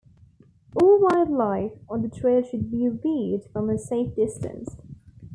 All wildlife on the trail should be viewed from a safe distance.